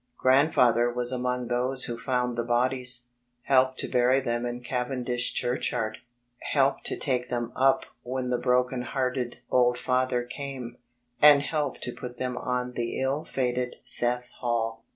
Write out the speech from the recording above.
Grandfather was among those who found the bodies, helped to bury them in Cavendish churchyard, helped to take them up when the broken hearted old father came, and helped to put them on the ill fated Setb Hall.